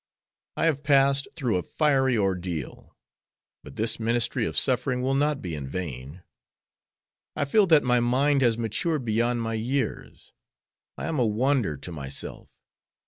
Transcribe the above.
I have passed through a fiery ordeal, but this ministry of suffering will not be in vain. I feel that my mind has matured beyond my years. I am a wonder to myself.